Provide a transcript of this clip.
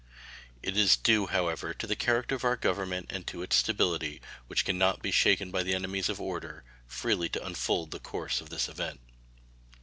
It is due, however, to the character of our Government and to its stability, which can not be shaken by the enemies of order, freely to unfold the course of this event.